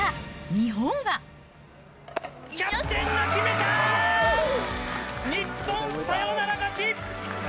日本、サヨナラ勝ち！